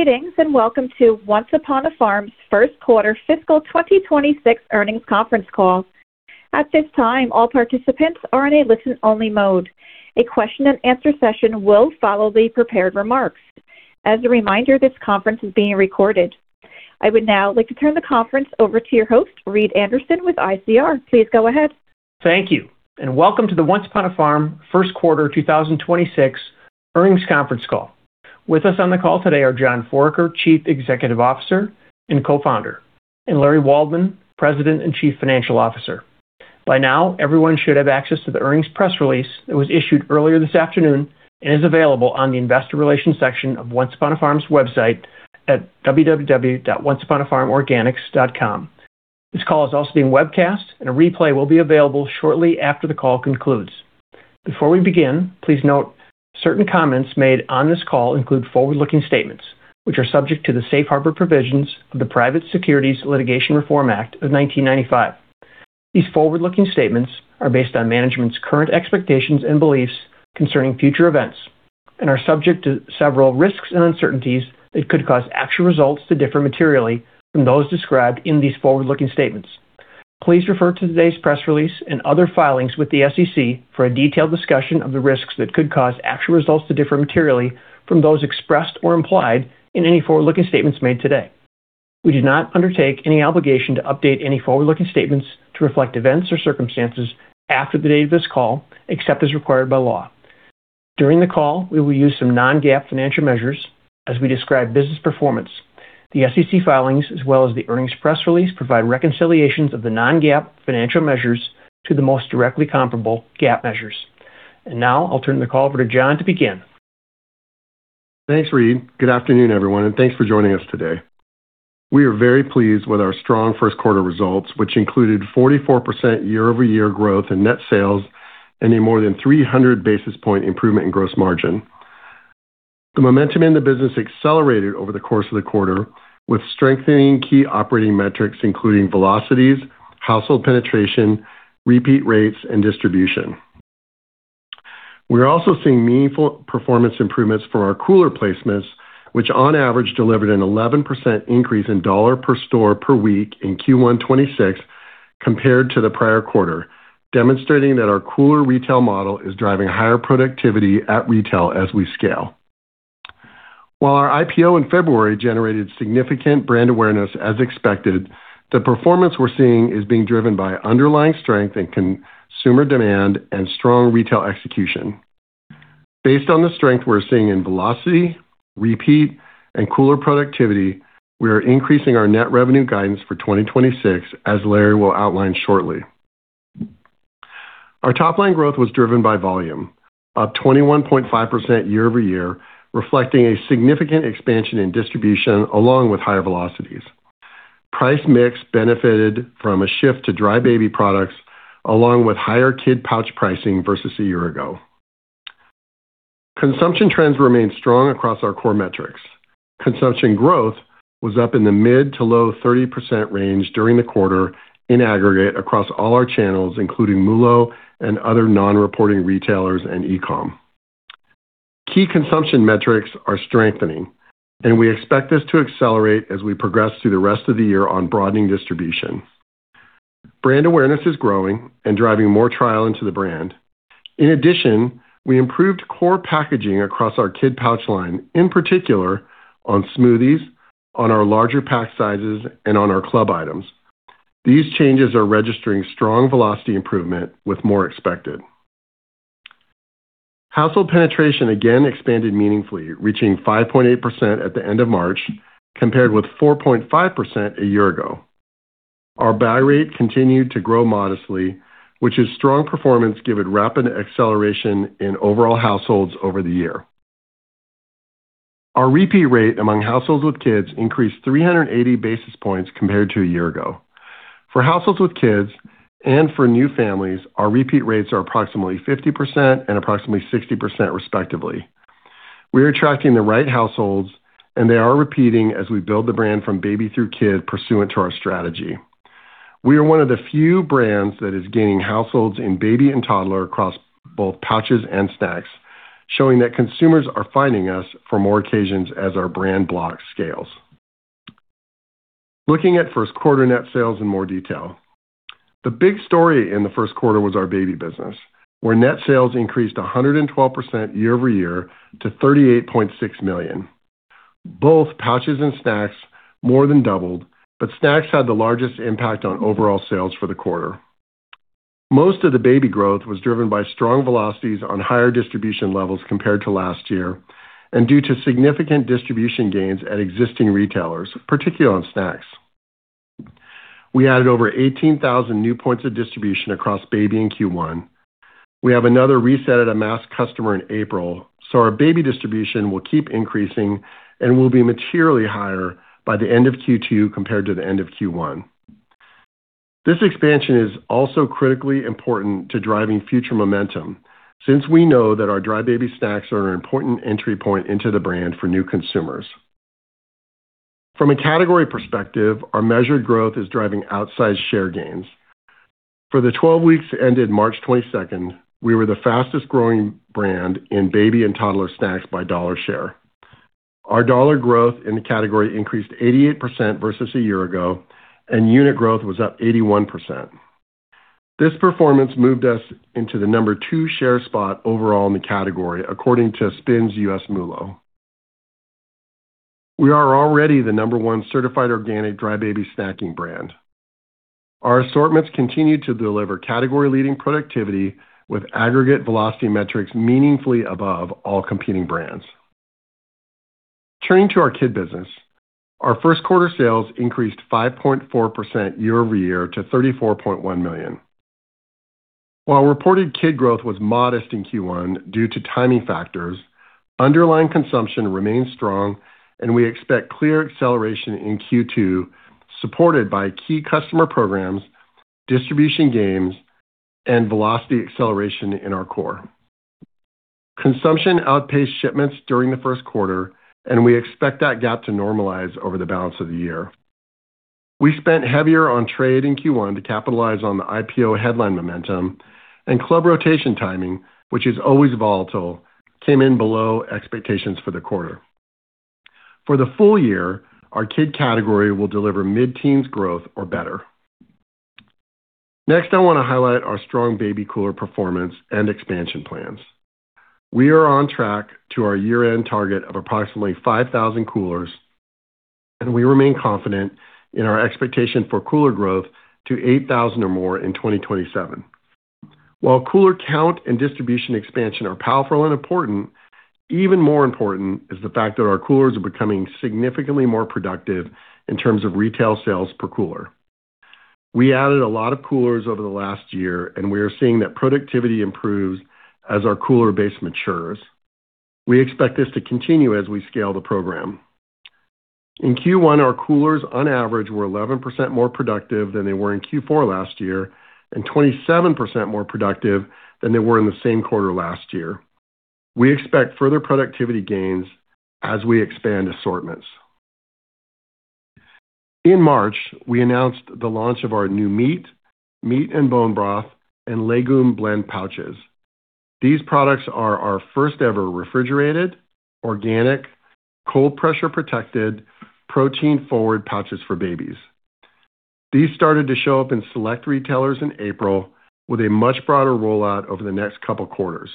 Greetings, welcome to Once Upon a Farm's first quarter fiscal 2026 earnings conference call. At this time, all participants are in a listen-only mode. A question and answer session will follow the prepared remarks. As a reminder, this conference is being recorded. I would now like to turn the conference over to your host, Reed Anderson with ICR. Please go ahead. Thank you, and welcome to the Once Upon a Farm first quarter 2026 earnings conference call. With us on the call today are John Foraker, Chief Executive Officer and Co-founder, and Larry Waldman, President and Chief Financial Officer. By now, everyone should have access to the earnings press release that was issued earlier this afternoon and is available on the investor relations section of Once Upon a Farm's website at www.onceuponafarmorganics.com. This call is also being webcast, and a replay will be available shortly after the call concludes. Before we begin, please note certain comments made on this call include forward-looking statements, which are subject to the safe harbor provisions of the Private Securities Litigation Reform Act of 1995. These forward-looking statements are based on management's current expectations and beliefs concerning future events and are subject to several risks and uncertainties that could cause actual results to differ materially from those described in these forward-looking statements. Please refer to today's press release and other filings with the SEC for a detailed discussion of the risks that could cause actual results to differ materially from those expressed or implied in any forward-looking statements made today. We do not undertake any obligation to update any forward-looking statements to reflect events or circumstances after the date of this call, except as required by law. During the call, we will use some non-GAAP financial measures as we describe business performance. The SEC filings, as well as the earnings press release, provide reconciliations of the non-GAAP financial measures to the most directly comparable GAAP measures. Now I'll turn the call over to John to begin. Thanks, Reed. Good afternoon, everyone, and thanks for joining us today. We are very pleased with our strong first quarter results, which included 44% year-over-year growth in net sales and a more than 300 basis point improvement in gross margin. The momentum in the business accelerated over the course of the quarter with strengthening key operating metrics, including velocities, household penetration, repeat rates, and distribution. We're also seeing meaningful performance improvements for our cooler placements, which on average delivered an 11% increase in dollar per store per week in Q1 2026 compared to the prior quarter, demonstrating that our cooler retail model is driving higher productivity at retail as we scale. While our IPO in February generated significant brand awareness as expected, the performance we're seeing is being driven by underlying strength in consumer demand and strong retail execution. Based on the strength we're seeing in velocity, repeat, and cooler productivity, we are increasing our net revenue guidance for 2026, as Larry will outline shortly. Our top line growth was driven by volume, up 21.5% year-over-year, reflecting a significant expansion in distribution along with higher velocities. Price mix benefited from a shift to dry baby products along with higher kid pouch pricing versus a year ago. Consumption trends remained strong across our core metrics. Consumption growth was up in the mid to low 30% range during the quarter in aggregate across all our channels, including MULO and other non-reporting retailers and e-com. Key consumption metrics are strengthening, and we expect this to accelerate as we progress through the rest of the year on broadening distribution. Brand awareness is growing and driving more trial into the brand. In addition, we improved core packaging across our kid pouch line, in particular on smoothies, on our larger pack sizes, and on our club items. These changes are registering strong velocity improvement with more expected. Household penetration again expanded meaningfully, reaching 5.8% at the end of March compared with 4.5% a year ago. Our buy rate continued to grow modestly, which is strong performance given rapid acceleration in overall households over the year. Our repeat rate among households with kids increased 380 basis points compared to a year ago. For households with kids and for new families, our repeat rates are approximately 50% and approximately 60% respectively. We are attracting the right households, and they are repeating as we build the brand from baby through kid pursuant to our strategy. We are one of the few brands that is gaining households in baby and toddler across both pouches and snacks, showing that consumers are finding us for more occasions as our brand block scales. Looking at first quarter net sales in more detail. The big story in the first quarter was our baby business, where net sales increased 112% year-over-year to $38.6 million. Both pouches and snacks more than doubled, snacks had the largest impact on overall sales for the quarter. Most of the baby growth was driven by strong velocities on higher distribution levels compared to last year and due to significant distribution gains at existing retailers, particularly on snacks. We added over 18,000 new points of distribution across baby in Q1. We have another reset at a mass customer in April, so our baby distribution will keep increasing and will be materially higher by the end of Q2 compared to the end of Q1. This expansion is also critically important to driving future momentum since we know that our dry baby snacks are an important entry point into the brand for new consumers. From a category perspective, our measured growth is driving outsized share gains. For the 12 weeks ended March 22nd, we were the fastest-growing brand in baby and toddler snacks by dollar share. Our dollar growth in the category increased 88% versus a year ago, and unit growth was up 81%. This performance moved us into the number two share spot overall in the category, according to SPINS US MULO. We are already the number one certified organic dry baby snacking brand. Our assortments continue to deliver category-leading productivity with aggregate velocity metrics meaningfully above all competing brands. Turning to our kid business, our first quarter sales increased 5.4% year-over-year to $34.1 million. While reported kid growth was modest in Q1 due to timing factors, underlying consumption remains strong, and we expect clear acceleration in Q2, supported by key customer programs, distribution gains, and velocity acceleration in our core. Consumption outpaced shipments during the first quarter, and we expect that gap to normalize over the balance of the year. We spent heavier on trade in Q1 to capitalize on the IPO headline momentum and club rotation timing, which is always volatile, came in below expectations for the quarter. For the full year, our kid category will deliver mid-teens growth or better. Next, I wanna highlight our strong baby cooler performance and expansion plans. We are on track to our year-end target of approximately 5,000 coolers, and we remain confident in our expectation for cooler growth to 8,000 or more in 2027. While cooler count and distribution expansion are powerful and important, even more important is the fact that our coolers are becoming significantly more productive in terms of retail sales per cooler. We added a lot of coolers over the last year, and we are seeing that productivity improve as our cooler base matures. We expect this to continue as we scale the program. In Q1, our coolers on average were 11% more productive than they were in Q4 last year and 27% more productive than they were in the same quarter last year. We expect further productivity gains as we expand assortments. In March, we announced the launch of our new meat and bone broth, and legume blend pouches. These products are our first-ever refrigerated, organic, cold pressure protected, protein-forward pouches for babies. These started to show up in select retailers in April with a much broader rollout over the next couple quarters.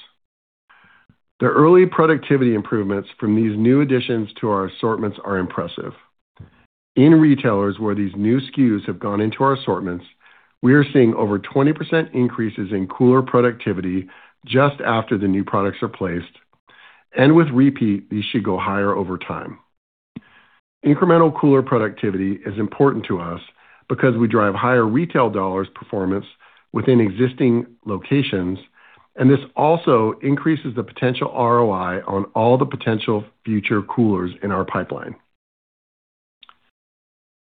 The early productivity improvements from these new additions to our assortments are impressive. In retailers where these new SKUs have gone into our assortments, we are seeing over 20% increases in cooler productivity just after the new products are placed, and with repeat, these should go higher over time. Incremental cooler productivity is important to us because we drive higher retail dollars performance within existing locations, and this also increases the potential ROI on all the potential future coolers in our pipeline.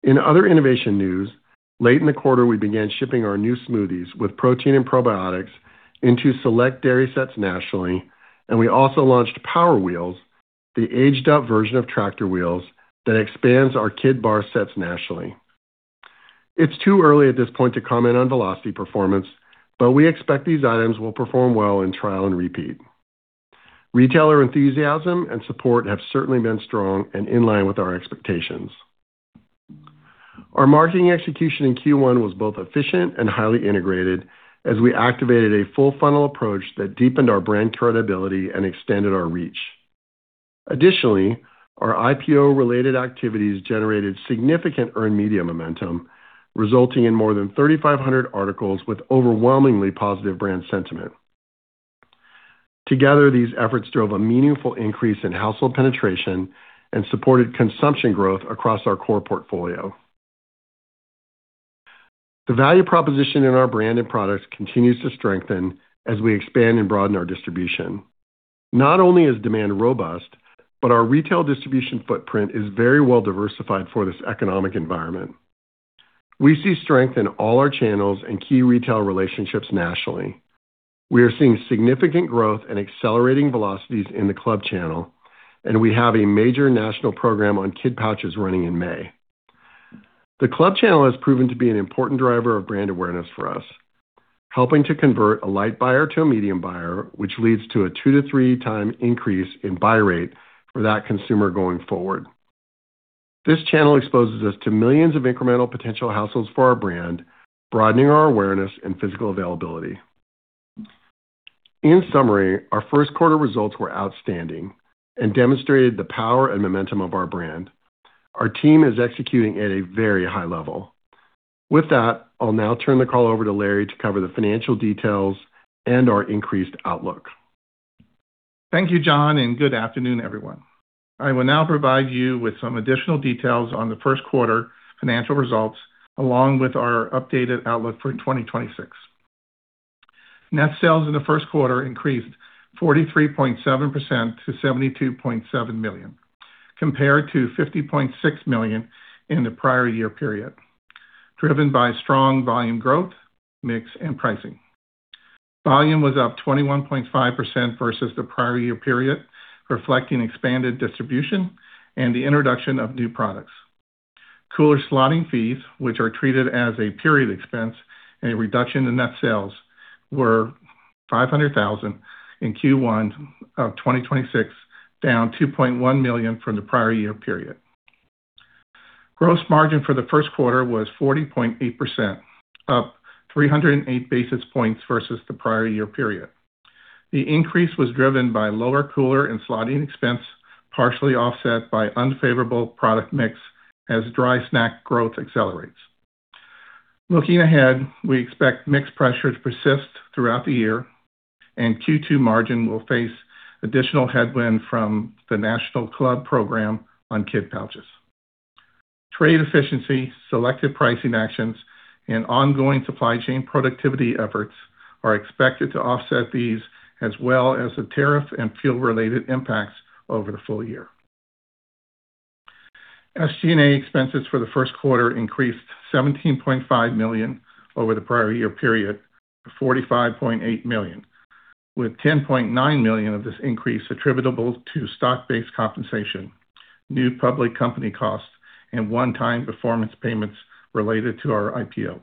In other innovation news, late in the quarter, we began shipping our new Smoothies with Protein & Probiotics into select dairy sets nationally, and we also launched Power Wheels, the aged-up version of Tractor Wheels that expands our kid bar sets nationally. It's too early at this point to comment on velocity performance, but we expect these items will perform well in trial and repeat. Retailer enthusiasm and support have certainly been strong and in line with our expectations. Our marketing execution in Q1 was both efficient and highly integrated as we activated a full funnel approach that deepened our brand credibility and extended our reach. Additionally, our IPO-related activities generated significant earned media momentum, resulting in more than 3,500 articles with overwhelmingly positive brand sentiment. Together, these efforts drove a meaningful increase in household penetration and supported consumption growth across our core portfolio. The value proposition in our brand and products continues to strengthen as we expand and broaden our distribution. Not only is demand robust, but our retail distribution footprint is very well diversified for this economic environment. We see strength in all our channels and key retail relationships nationally. We are seeing significant growth and accelerating velocities in the club channel, and we have a major national program on kid pouches running in May. The club channel has proven to be an important driver of brand awareness for us, helping to convert a light buyer to a medium buyer, which leads to a two-three times increase in buy rate for that consumer going forward. This channel exposes us to millions of incremental potential households for our brand, broadening our awareness and physical availability. In summary, our first quarter results were outstanding and demonstrated the power and momentum of our brand. Our team is executing at a very high level. With that, I'll now turn the call over to Larry to cover the financial details and our increased outlook. Thank you, John. Good afternoon, everyone. I will now provide you with some additional details on the first quarter financial results, along with our updated outlook for 2026. Net sales in the first quarter increased 43.7% to $72.7 million, compared to $50.6 million in the prior year period, driven by strong volume growth, mix, and pricing. Volume was up 21.5% versus the prior year period, reflecting expanded distribution and the introduction of new products. Cooler slotting fees, which are treated as a period expense and a reduction in net sales, were $500,000 in Q1 of 2026, down $2.1 million from the prior year period. Gross margin for the first quarter was 40.8%, up 308 basis points versus the prior year period. The increase was driven by lower cooler and slotting expense, partially offset by unfavorable product mix as dry snack growth accelerates. Looking ahead, we expect mix pressure to persist throughout the year, and Q2 margin will face additional headwind from the national club program on kid pouches. Trade efficiency, selective pricing actions, and ongoing supply chain productivity efforts are expected to offset these, as well as the tariff and fuel-related impacts over the full year. SG&A expenses for the first quarter increased $17.5 million over the prior year period to $45.8 million, with $10.9 million of this increase attributable to stock-based compensation, new public company costs, and one-time performance payments related to our IPO.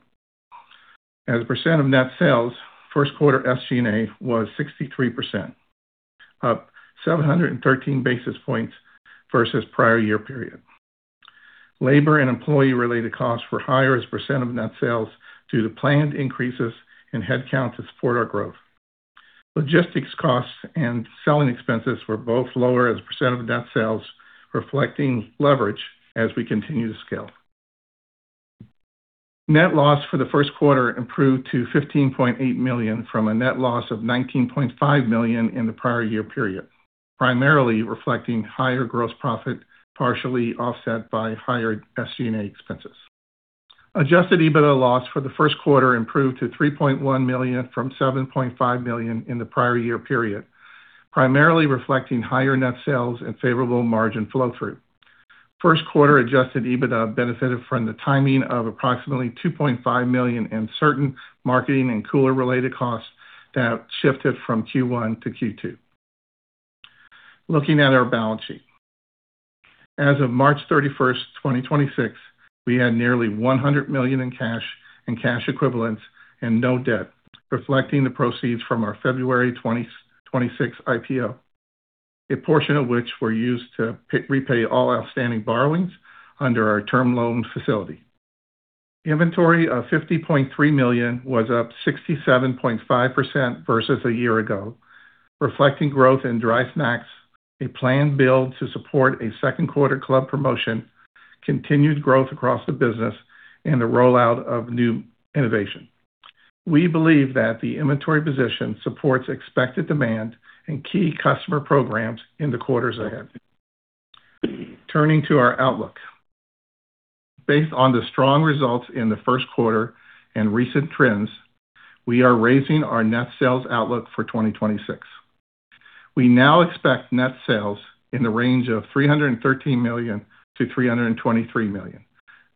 As a percent of net sales, first quarter SG&A was 63%, up 713 basis points versus prior year period. Labor and employee-related costs were higher as a % of net sales due to planned increases in headcount to support our growth. Logistics costs and selling expenses were both lower as a % of net sales, reflecting leverage as we continue to scale. Net loss for the first quarter improved to $15.8 million from a net loss of $19.5 million in the prior year period, primarily reflecting higher gross profit, partially offset by higher SG&A expenses. Adjusted EBITDA loss for the first quarter improved to $3.1 million from $7.5 million in the prior year period, primarily reflecting higher net sales and favorable margin flow-through. First quarter adjusted EBITDA benefited from the timing of approximately $2.5 million in certain marketing and cooler-related costs that shifted from Q1 to Q2. Looking at our balance sheet. As of March 31st, 2026, we had nearly $100 million in cash and cash equivalents and no debt, reflecting the proceeds from our February 2026 IPO, a portion of which were used to repay all outstanding borrowings under our term loan facility. Inventory of $50.3 million was up 67.5% versus a year ago, reflecting growth in dry snacks, a planned build to support a second quarter club promotion, continued growth across the business, and the rollout of new innovation. We believe that the inventory position supports expected demand and key customer programs in the quarters ahead. Turning to our outlook. Based on the strong results in the first quarter and recent trends, we are raising our net sales outlook for 2026. We now expect net sales in the range of $313 million to $323 million,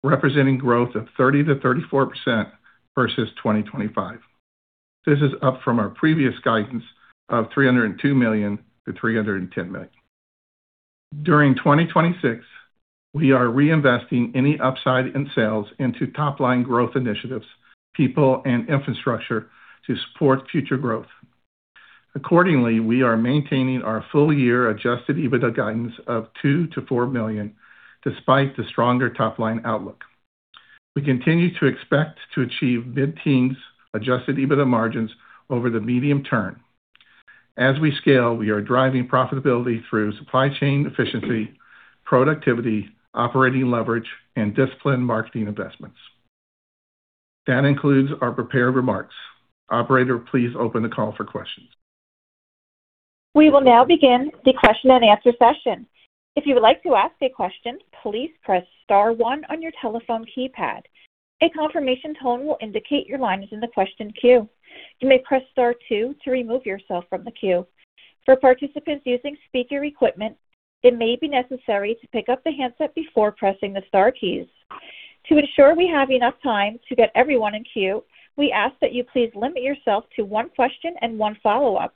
representing growth of 30%-34% versus 2025. This is up from our previous guidance of $302 million to $310 million. During 2026, we are reinvesting any upside in sales into top-line growth initiatives, people and infrastructure to support future growth. Accordingly, we are maintaining our full-year adjusted EBITDA guidance of $2 million-$4 million despite the stronger top-line outlook. We continue to expect to achieve mid-teens adjusted EBITDA margins over the medium term. As we scale, we are driving profitability through supply chain efficiency, productivity, operating leverage, and disciplined marketing investments. That includes our prepared remarks. Operator, please open the call for questions. We will now begin the question-and-answer session. If you would like to ask a question, please press star one on your telephone keypad. A confirmation tone will indicate your line is in the question queue. You may press star two to remove yourself from the queue. For participants using speaker equipment, it may be necessary to pick up the handset before pressing the star keys. To ensure we have enough time to get everyone in queue, we ask that you please limit yourself to one question and one follow-up,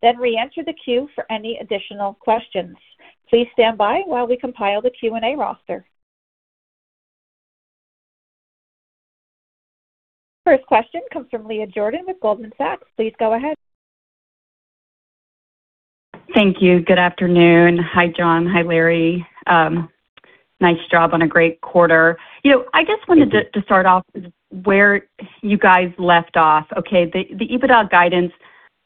then reenter the queue for any additional questions. Please stand by while we compile the Q&A roster. First question comes from Leah Jordan with Goldman Sachs. Please go ahead. Thank you. Good afternoon. Hi, John. Hi, Larry. Nice job on a great quarter. You know, I just wanted to start off where you guys left off. Okay, the EBITDA guidance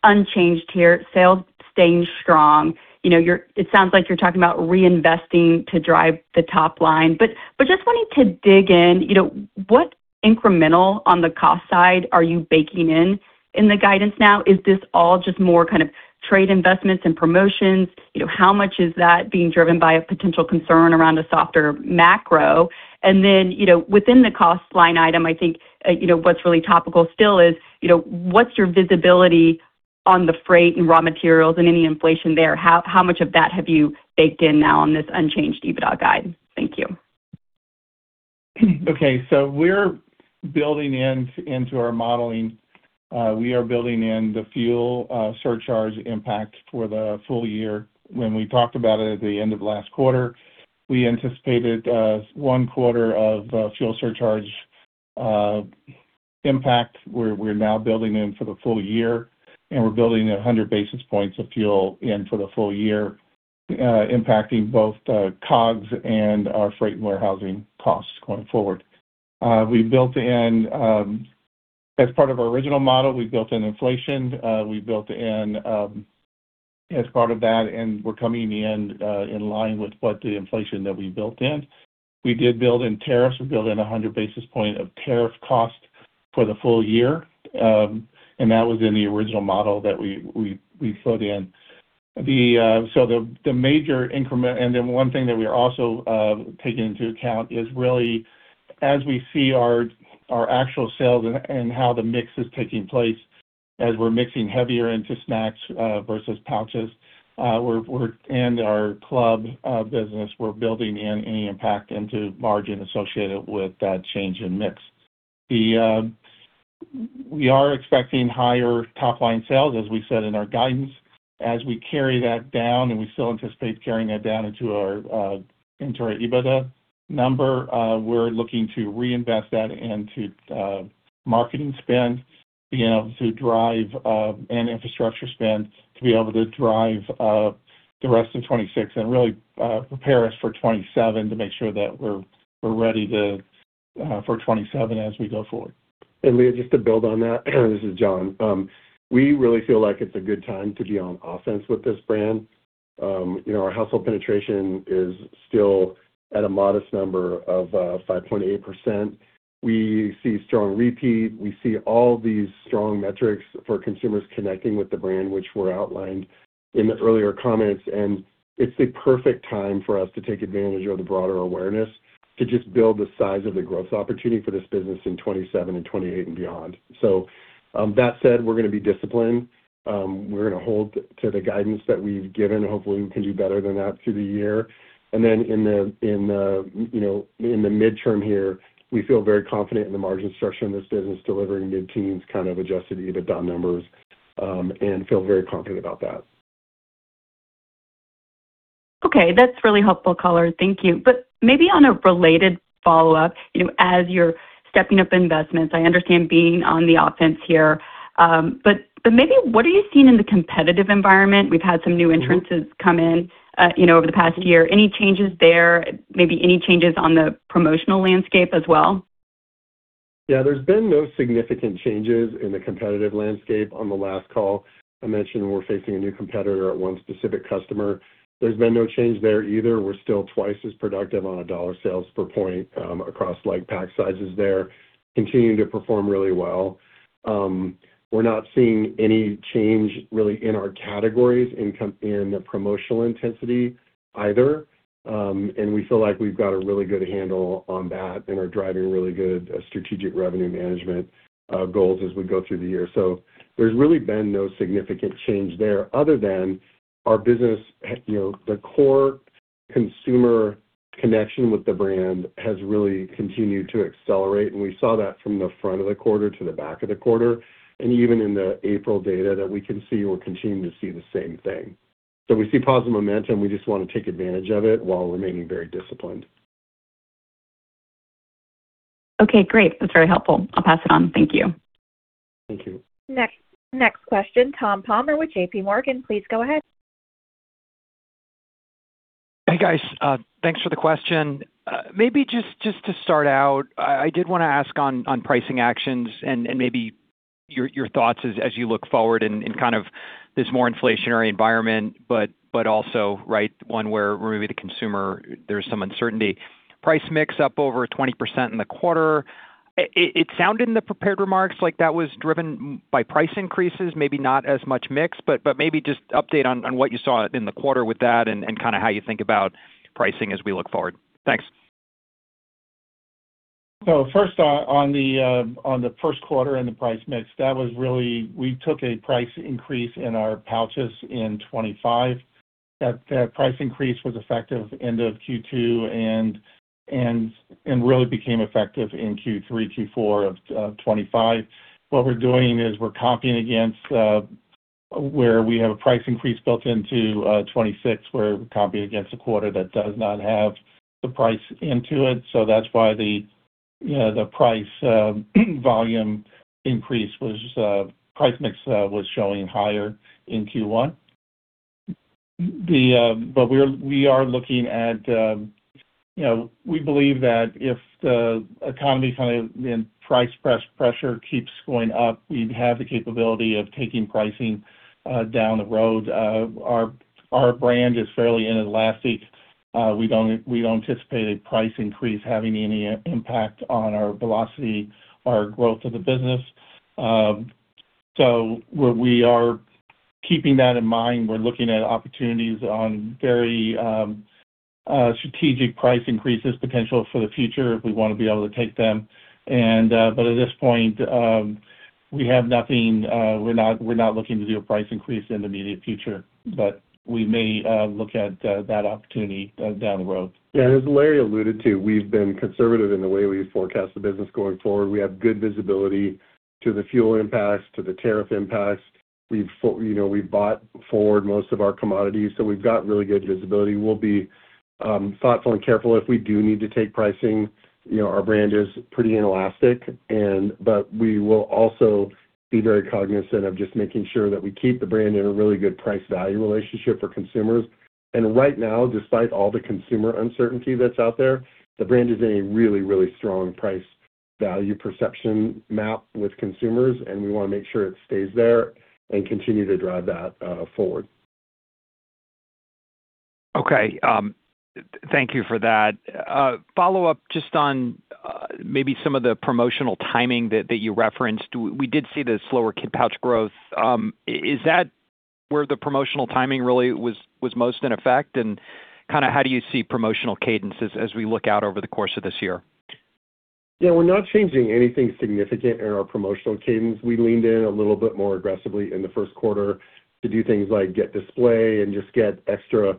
unchanged here, sales staying strong. You know, it sounds like you're talking about reinvesting to drive the top line. Just wanting to dig in, you know, what incremental on the cost side are you baking in the guidance now? Is this all just more kind of trade investments and promotions? You know, how much is that being driven by a potential concern around a softer macro? Then, you know, within the cost line item, I think, you know, what's really topical still is, you know, what's your visibility on the freight and raw materials and any inflation there? How much of that have you baked in now on this unchanged EBITDA guide? Thank you. We're building in our modeling. We are building in the fuel surcharge impact for the full year. When we talked about it at the end of last quarter, we anticipated one quarter of fuel surcharge impact. We're now building in for the full year, we're building 100 basis points of fuel in for the full year, impacting both COGS and our freight and warehousing costs going forward. We built in, as part of our original model, we built in inflation. We built in, as part of that, we're coming in in line with what the inflation that we built in. We did build in tariffs. We built in 100 basis point of tariff cost for the full year. That was in the original model that we put in. One thing that we are also taking into account is really as we see our actual sales and how the mix is taking place as we're mixing heavier into snacks versus pouches, and our club business, we're building in any impact into margin associated with that change in mix. We are expecting higher top-line sales, as we said in our guidance. As we carry that down, and we still anticipate carrying that down into our EBITDA number, we're looking to reinvest that into marketing spend, being able to drive, and infrastructure spend to be able to drive, the rest of 2026 and really, prepare us for 2027 to make sure that we're ready to for 2027 as we go forward. Leah, just to build on that, this is John. We really feel like it's a good time to be on offense with this brand. You know, our household penetration is still at a modest number of 5.8%. We see strong repeat. We see all these strong metrics for consumers connecting with the brand, which were outlined in the earlier comments. It's the perfect time for us to take advantage of the broader awareness to just build the size of the growth opportunity for this business in 2027 and 2028 and beyond. That said, we're gonna be disciplined. We're gonna hold to the guidance that we've given. Hopefully, we can do better than that through the year. In the, you know, in the midterm here, we feel very confident in the margin structure in this business, delivering mid-teens kind of adjusted EBITDA numbers, and feel very confident about that. Okay. That's really helpful, color. Thank you. Maybe on a related follow-up, you know, as you're stepping up investments, I understand being on the offense here, maybe what are you seeing in the competitive environment? We've had some new entrances come in, you know, over the past year. Any changes there? Maybe any changes on the promotional landscape as well? There's been no significant changes in the competitive landscape. On the last call, I mentioned we're facing a new competitor at one specific customer. There's been no change there either. We're still twice as productive on a dollar sales per point, across like pack sizes there, continuing to perform really well. We're not seeing any change really in our categories in the promotional intensity either. We feel like we've got a really good handle on that and are driving really good strategic revenue management goals as we go through the year. There's really been no significant change there other than our business, you know, the core consumer connection with the brand has really continued to accelerate, and we saw that from the front of the quarter to the back of the quarter. Even in the April data that we can see, we're continuing to see the same thing. We see positive momentum. We just wanna take advantage of it while remaining very disciplined. Okay. Great. That's very helpful. I'll pass it on. Thank you. Thank you. Next question, Tom Palmer with JPMorgan. Please go ahead. Hey, guys. Thanks for the question. Maybe just to start out, I did wanna ask on pricing actions and maybe your thoughts as you look forward in kind of this more inflationary environment, but also, right, one where maybe the consumer, there's some uncertainty. Price mix up over 20% in the quarter. It sounded in the prepared remarks like that was driven by price increases, maybe not as much mix. Maybe just update on what you saw in the quarter with that and kinda how you think about pricing as we look forward. Thanks. First, on the first quarter and the price mix, we took a price increase in our pouches in 2025. That price increase was effective end of Q2 and really became effective in Q3-Q4 of 2025. What we're doing is we're comping against where we have a price increase built into 2026, where we're comping against a quarter that does not have the price into it. That's why the, you know, the price volume increase was price mix was showing higher in Q1. We're, we are looking at, you know, we believe that if the economy kind of in price pressure keeps going up, we have the capability of taking pricing down the road. Our brand is fairly inelastic. We don't anticipate a price increase having any impact on our velocity or growth of the business. We are keeping that in mind. We're looking at opportunities on very strategic price increases potential for the future if we wanna be able to take them. We have nothing, we're not looking to do a price increase in the immediate future, but we may look at that opportunity down the road. Yeah. As Larry alluded to, we've been conservative in the way we forecast the business going forward. We have good visibility to the fuel impacts, to the tariff impacts. We've you know, we bought forward most of our commodities, so we've got really good visibility. We'll be thoughtful and careful if we do need to take pricing. You know, our brand is pretty inelastic but we will also be very cognizant of just making sure that we keep the brand in a really good price-value relationship for consumers. Right now, despite all the consumer uncertainty that's out there, the brand is in a really, really strong price-value perception map with consumers, and we wanna make sure it stays there and continue to drive that forward. Okay. Thank you for that. Follow-up just on maybe some of the promotional timing that you referenced. We did see the slower kid pouch growth. Is that where the promotional timing really was most in effect? Kinda how do you see promotional cadences as we look out over the course of this year? Yeah, we're not changing anything significant in our promotional cadence. We leaned in a little bit more aggressively in the first quarter to do things like get display and just get extra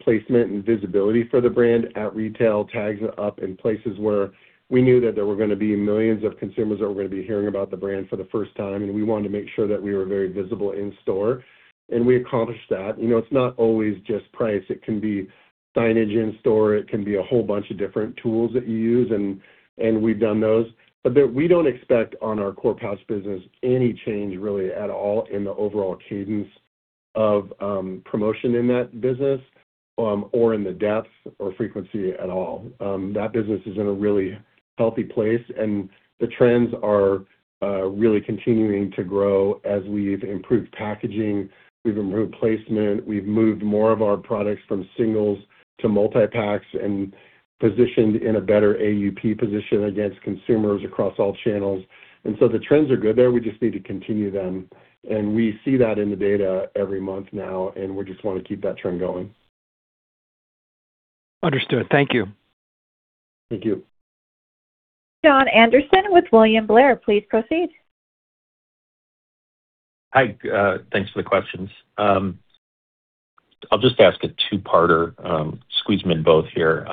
placement and visibility for the brand at retail, tags up in places where we knew that there were gonna be millions of consumers that were gonna be hearing about the brand for the first time, and we wanted to make sure that we were very visible in store, and we accomplished that. You know, it's not always just price. It can be signage in store. It can be a whole bunch of different tools that you use, and we've done those. We don't expect on our core pouch business any change really at all in the overall cadence of promotion in that business, or in the depth or frequency at all. That business is in a really healthy place, and the trends are really continuing to grow as we've improved packaging, we've improved placement, we've moved more of our products from singles to multi-packs and positioned in a better AUP position against consumers across all channels. The trends are good there. We just need to continue them, and we see that in the data every month now, and we just wanna keep that trend going. Understood. Thank you. Thank you. Jon Andersen with William Blair, please proceed. Hi, thanks for the questions. I'll just ask a two-parter, squeeze them in both here.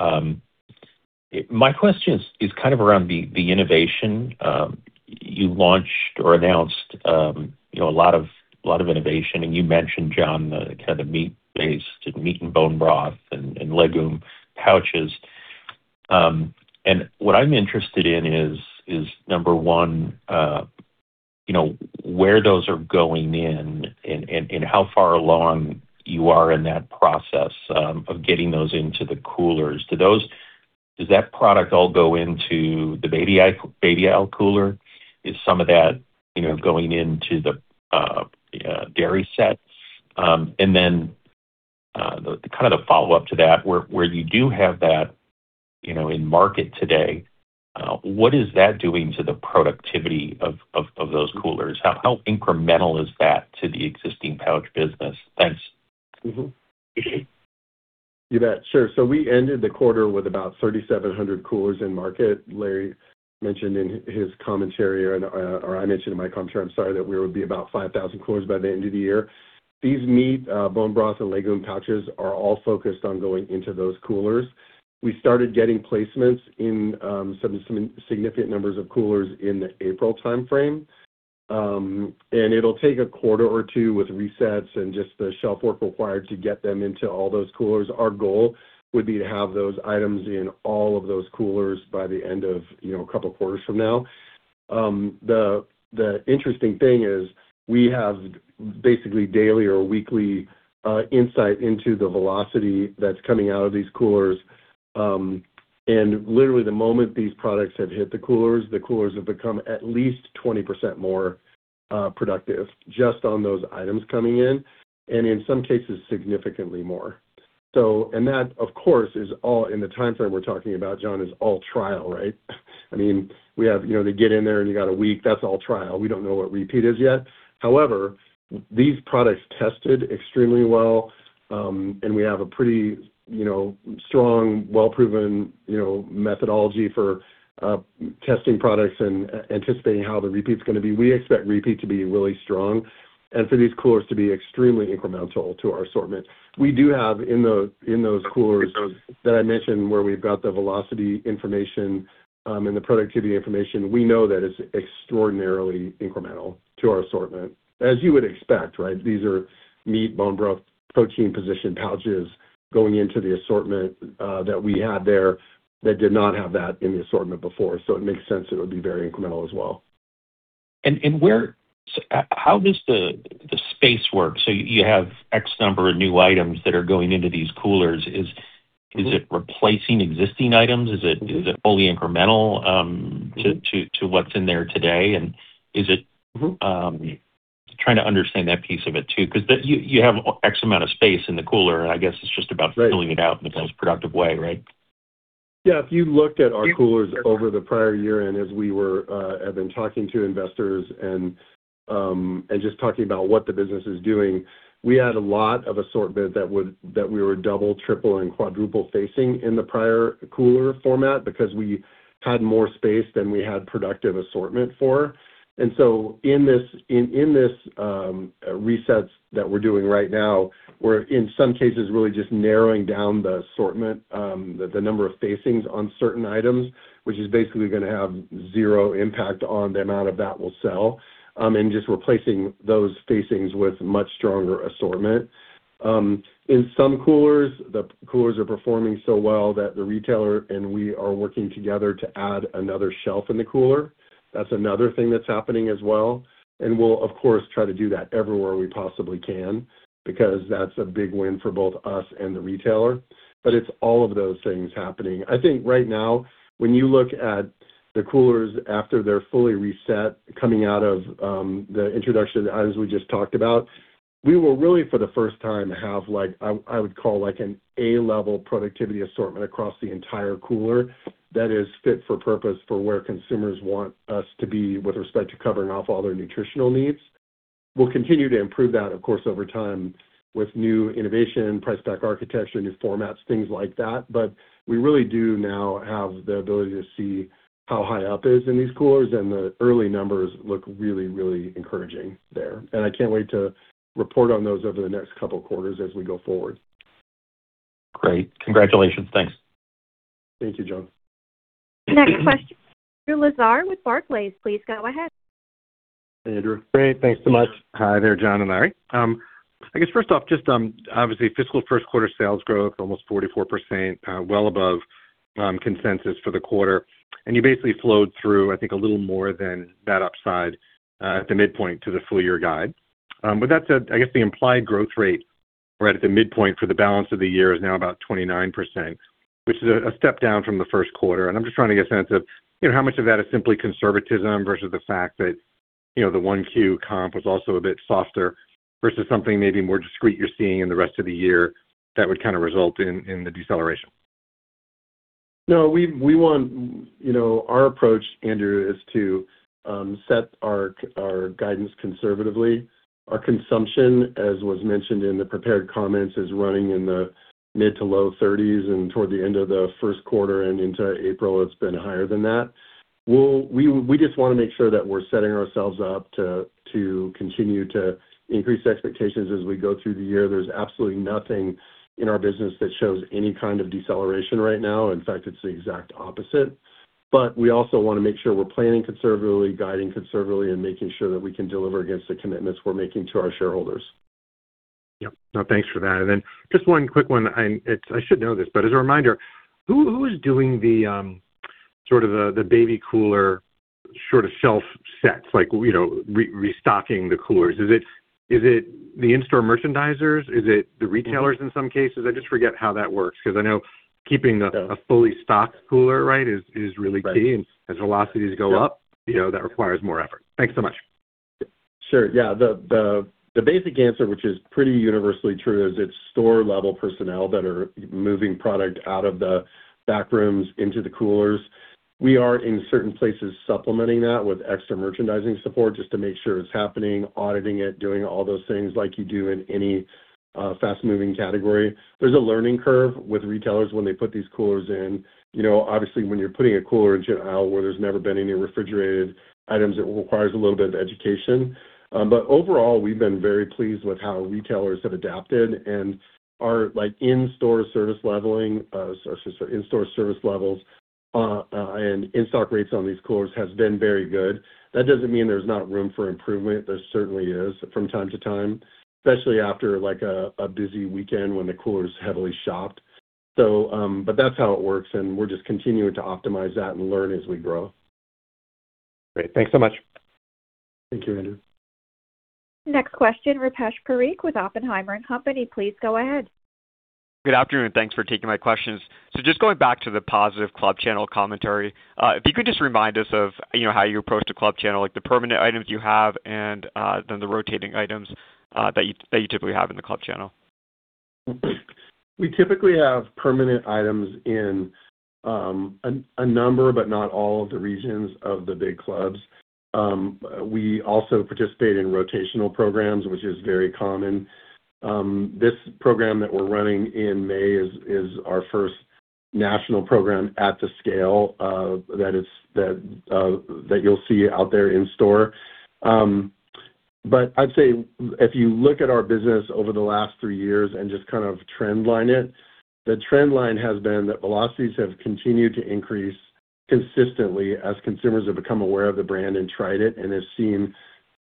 My question is kind of around the innovation. You launched or announced, you know, a lot of, lot of innovation, and you mentioned, John, the kinda meat-based, meat and bone broth and legume pouches. And what I'm interested in is number one, you know, where those are going in and, and how far along you are in that process, of getting those into the coolers. Does that product all go into the baby aisle cooler? Is some of that, you know, going into the dairy sets? Kind of the follow-up to that, where you do have that, you know, in market today, what is that doing to the productivity of those coolers? How incremental is that to the existing pouch business? Thanks. You bet. Sure. We ended the quarter with about 3,700 coolers in market. Larry mentioned in his commentary or I mentioned in my commentary, I'm sorry, that we would be about 5,000 coolers by the end of the year. These meat, bone broth and legume pouches are all focused on going into those coolers. We started getting placements in some significant numbers of coolers in the April timeframe. It'll take a quarter or two with resets and just the shelf work required to get them into all those coolers. Our goal would be to have those items in all of those coolers by the end of, you know, a couple quarters from now. The interesting thing is we have basically daily or weekly insight into the velocity that's coming out of these coolers. Literally the moment these products have hit the coolers, the coolers have become at least 20% more productive just on those items coming in, and in some cases, significantly more. That, of course, is all in the timeframe we're talking about, Jon, is all trial, right? I mean, we have, you know, they get in there and you got a one week. That's all trial. We don't know what repeat is yet. However, these products tested extremely well, and we have a pretty, you know, strong, well-proven, you know, methodology for testing products and anticipating how the repeat's gonna be. We expect repeat to be really strong and for these coolers to be extremely incremental to our assortment. We do have in the, in those coolers that I mentioned where we've got the velocity information, and the productivity information, we know that it's extraordinarily incremental to our assortment. As you would expect, right? These are meat, bone broth, protein position pouches going into the assortment that we had there that did not have that in the assortment before. It makes sense that it would be very incremental as well. How does the space work? You have X number of new items that are going into these coolers. Is it replacing existing items? Is it fully incremental to what's in there today? Trying to understand that piece of it too. You have X amount of space in the cooler. Right. Filling it out in the most productive way, right? Yeah. If you looked at our coolers over the prior year and as we have been talking to investors and just talking about what the business is doing, we had a lot of assortment that we were double, triple, and quadruple facing in the prior cooler format because we had more space than we had productive assortment for. So in this resets that we're doing right now, we're in some cases really just narrowing down the assortment, the number of facings on certain items, which is basically gonna have zero impact on the amount of that we'll sell, and just replacing those facings with much stronger assortment. In some coolers, the coolers are performing so well that the retailer and we are working together to add another shelf in the cooler. That's another thing that's happening as well, and we'll of course, try to do that everywhere we possibly can because that's a big win for both us and the retailer. It's all of those things happening. I think right now, when you look at the coolers after they're fully reset coming out of the introduction of the items we just talked about, we will really, for the first time, have like, I would call like an A-level productivity assortment across the entire cooler that is fit for purpose for where consumers want us to be with respect to covering off all their nutritional needs. We'll continue to improve that, of course, over time with new innovation, price stack architecture, new formats, things like that. We really do now have the ability to see how high up is in these coolers, and the early numbers look really, really encouraging there. I can't wait to report on those over the next couple of quarters as we go forward. Great. Congratulations. Thanks. Thank you, Jon. Next question, Andrew Lazar with Barclays. Please go ahead. Hey, Andrew. Great. Thanks so much. Hi there, John and Larry. I guess first off, obviously fiscal first quarter sales growth almost 44%, well above consensus for the quarter. You basically flowed through, I think, a little more than that upside at the midpoint to the full-year guide. That said, I guess the implied growth rate right at the midpoint for the balance of the year is now about 29%, which is a step down from the first quarter. I'm just trying to get a sense of, you know, how much of that is simply conservatism versus the fact that, you know, the 1Q comp was also a bit softer versus something maybe more discrete you're seeing in the rest of the year that would kind of result in the deceleration. No, we want, you know, our approach, Andrew, is to set our guidance conservatively. Our consumption, as was mentioned in the prepared comments, is running in the mid to low 30s%, and toward the end of the first quarter and into April, it's been higher than that. We, we just wanna make sure that we're setting ourselves up to continue to increase expectations as we go through the year. There's absolutely nothing in our business that shows any kind of deceleration right now. In fact, it's the exact opposite. We also wanna make sure we're planning conservatively, guiding conservatively, and making sure that we can deliver against the commitments we're making to our shareholders. Yep. No, thanks for that. Then just one quick one. I should know this, but as a reminder, who is doing the sort of the baby cooler sort of shelf sets, like, you know, restocking the coolers? Is it the in-store merchandisers? Is it the retailers in some cases? I just forget how that works because I know keeping a- The- A fully stocked cooler, right, is really key. Right. As velocities go up. Yep. You know, that requires more effort. Thanks so much. Sure. Yeah. The basic answer, which is pretty universally true, is it's store-level personnel that are moving product out of the back rooms into the coolers. We are in certain places supplementing that with extra merchandising support just to make sure it's happening, auditing it, doing all those things like you do in any fast-moving category. There's a learning curve with retailers when they put these coolers in. You know, obviously, when you're putting a cooler in an aisle where there's never been any refrigerated items, it requires a little bit of education. Overall, we've been very pleased with how retailers have adapted and our, like, in-store service levels and in-stock rates on these coolers has been very good. That doesn't mean there's not room for improvement. There certainly is from time to time, especially after, like a busy weekend when the cooler is heavily shopped. That's how it works, and we're just continuing to optimize that and learn as we grow. Great. Thanks so much. Thank you, Andrew. Next question, Rupesh Parikh with Oppenheimer & Company. Please go ahead. Good afternoon. Thanks for taking my questions. Just going back to the positive club channel commentary, if you could just remind us of, you know, how you approach the club channel, like the permanent items you have and then the rotating items that you typically have in the club channel. We typically have permanent items in a number but not all of the regions of the big clubs. We also participate in rotational programs, which is very common. This program that we're running in May is our first national program at the scale that you'll see out there in store. I'd say if you look at our business over the last three years and just kind of trendline it, the trendline has been that velocities have continued to increase consistently as consumers have become aware of the brand and tried it and have seen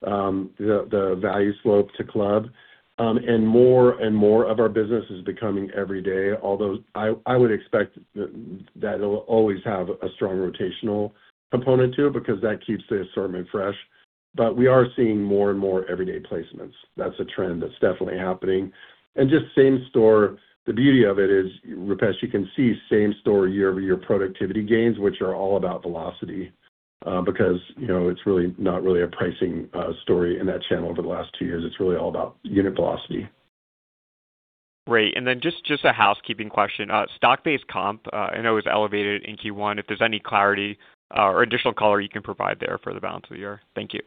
the value slope to club. More and more of our business is becoming every day, although I would expect that it'll always have a strong rotational component to it because that keeps the assortment fresh. We are seeing more and more everyday placements. That's a trend that's definitely happening. Just same store, the beauty of it is, Rupesh, you can see same store year-over-year productivity gains, which are all about velocity, because, you know, it's really not really a pricing story in that channel over the last two years. It's really all about unit velocity. Great. Then just a housekeeping question. stock-based comp, I know is elevated in Q1, if there's any clarity or additional color you can provide there for the balance of the year. Thank you.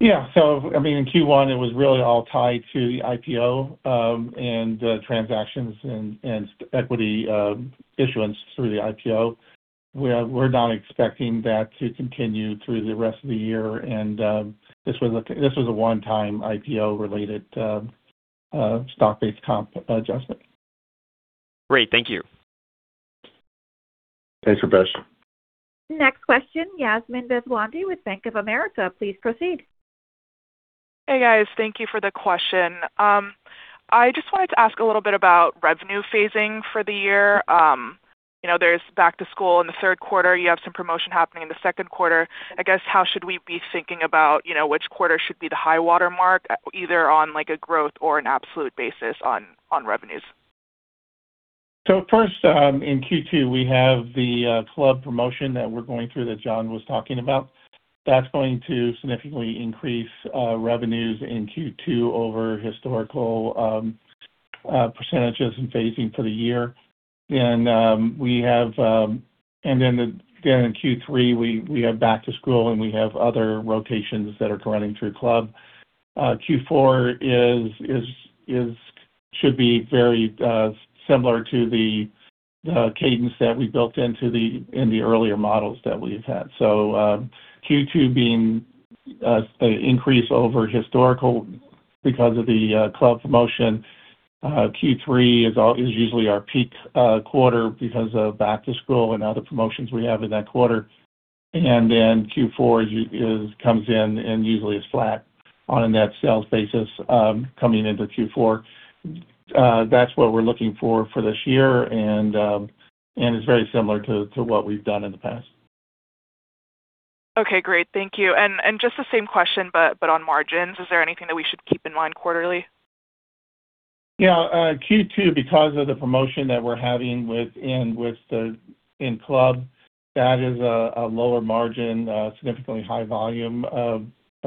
Yeah. I mean, in Q1, it was really all tied to the IPO, and transactions and equity issuance through the IPO. We're not expecting that to continue through the rest of the year. This was a one-time IPO related stock-based comp adjustment. Great. Thank you. Thanks, Rupesh. Next question, Yasmine Deswandhy with Bank of America. Please proceed. Hey, guys. Thank you for the question. I just wanted to ask a little bit about revenue phasing for the year. You know, there's back to school in the third quarter. You have some promotion happening in the second quarter. I guess, how should we be thinking about, you know, which quarter should be the high watermark, either on, like, a growth or an absolute basis on revenues? First, in Q2, we have the club promotion that we're going through that John was talking about. That's going to significantly increase revenues in Q2 over historical percentages and phasing for the year. Then in Q3, we have back to school, and we have other rotations that are running through club. Q4 is should be very similar to the cadence that we built into the earlier models that we've had. Q2 being increased over historical because of the club promotion. Q3 is usually our peak quarter because of back to school and other promotions we have in that quarter. Then Q4 comes in and usually is flat on a net sales basis, coming into Q4. That's what we're looking for for this year and it's very similar to what we've done in the past. Okay, great. Thank you. Just the same question, but on margins, is there anything that we should keep in mind quarterly? Yeah, Q2, because of the promotion that we're having with the in club, that is a lower margin, significantly high volume of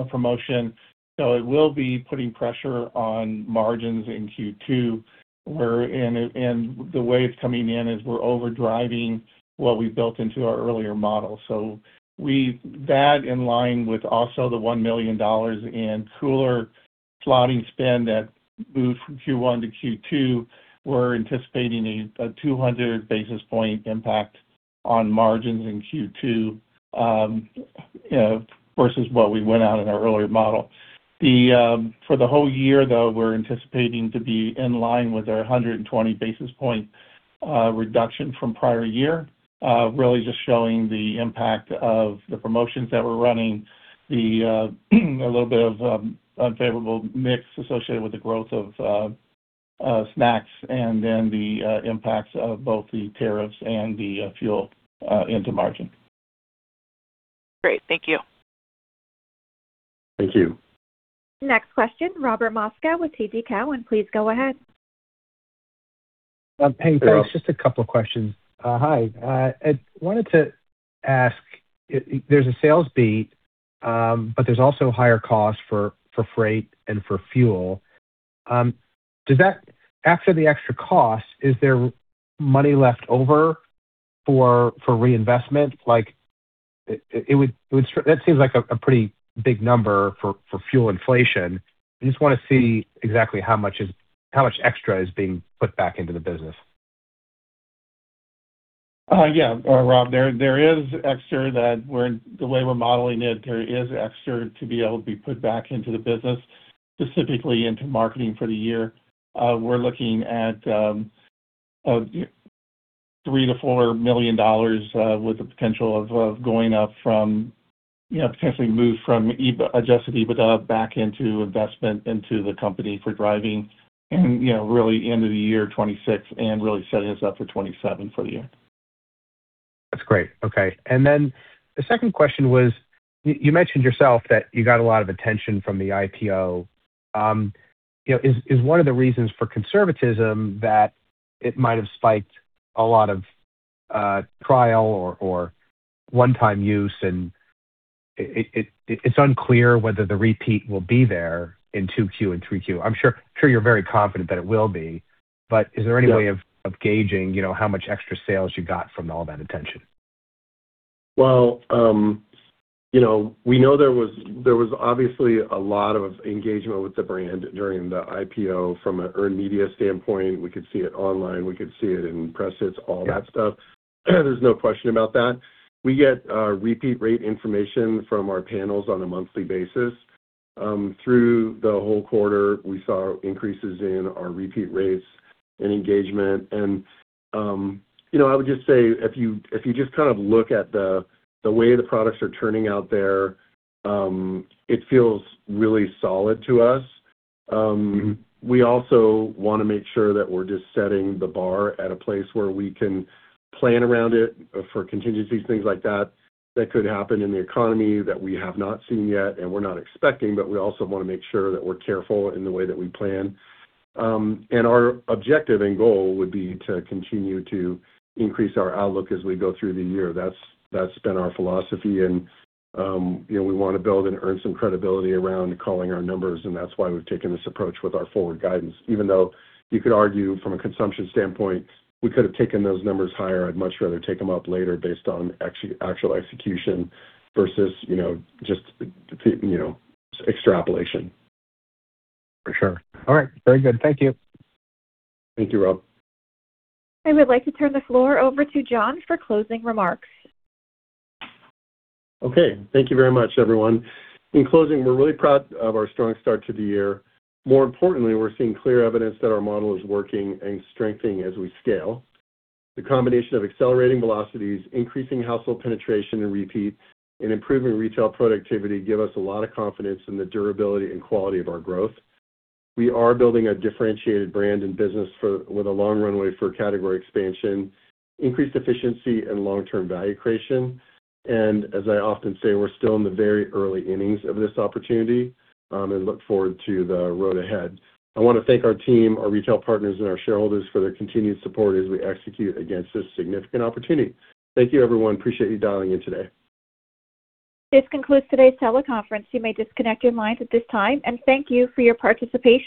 promotion. It will be putting pressure on margins in Q2 where And the way it's coming in is we're overdriving what we've built into our earlier model. That in line with also the $1 million in cooler slotting spend that moved from Q1-Q2, we're anticipating a 200 basis point impact on margins in Q2 versus what we went out in our earlier model. For the whole year, though, we're anticipating to be in line with our 120 basis point reduction from prior year, really just showing the impact of the promotions that we're running, a little bit of unfavorable mix associated with the growth of snacks and then the impacts of both the tariffs and the fuel into margin. Great. Thank you. Thank you. Next question, Robert Moskow with TD Cowen. Please go ahead. Hey, Rob. Hey. Just two questions. Hi. I wanted to ask, there's a sales beat, but there's also higher costs for freight and for fuel. After the extra cost, is there money left over for reinvestment? Like, that seems like a pretty big number for fuel inflation. I just wanna see exactly how much extra is being put back into the business. Yeah, Rob, there is extra. The way we're modeling it, there is extra to be able to be put back into the business, specifically into marketing for the year. We're looking at $3 million-$4 million with the potential of going up from, you know, potentially move from adjusted EBITDA back into investment into the company for driving and, you know, really end of the year 2026 and really setting us up for 2027 full year. That's great. Okay. The second question was, you mentioned yourself that you got a lot of attention from the IPO. You know, is one of the reasons for conservatism that it might have spiked a lot of trial or one-time use, and it's unclear whether the repeat will be there in 2Q and 3Q. I'm sure you're very confident that it will be- Yeah. Of gauging, you know, how much extra sales you got from all that attention? Well, you know, we know there was obviously a lot of engagement with the brand during the IPO from an earned media standpoint. We could see it online, we could see it in press hits- Yeah. All that stuff. There's no question about that. We get repeat rate information from our panels on a monthly basis. Through the whole quarter, we saw increases in our repeat rates and engagement and, you know, I would just say if you, if you just kind of look at the way the products are turning out there, it feels really solid to us. We also wanna make sure that we're just setting the bar at a place where we can plan around it for contingencies, things like that could happen in the economy that we have not seen yet and we're not expecting, but we also wanna make sure that we're careful in the way that we plan. Our objective and goal would be to continue to increase our outlook as we go through the year. That's, that's been our philosophy. You know, we wanna build and earn some credibility around calling our numbers, and that's why we've taken this approach with our forward guidance. Even though you could argue from a consumption standpoint, we could have taken those numbers higher, I'd much rather take them up later based on actual execution versus, you know, just, you know, extrapolation. For sure. All right. Very good. Thank you. Thank you, Rob. I would like to turn the floor over to John for closing remarks. Okay. Thank you very much, everyone. In closing, we're really proud of our strong start to the year. More importantly, we're seeing clear evidence that our model is working and strengthening as we scale. The combination of accelerating velocities, increasing household penetration and repeat, and improving retail productivity give us a lot of confidence in the durability and quality of our growth. We are building a differentiated brand and business with a long runway for category expansion, increased efficiency, and long-term value creation. As I often say, we're still in the very early innings of this opportunity, and look forward to the road ahead. I wanna thank our team, our retail partners, and our shareholders for their continued support as we execute against this significant opportunity. Thank you, everyone. Appreciate you dialing in today. This concludes today's teleconference. You may disconnect your lines at this time. Thank you for your participation.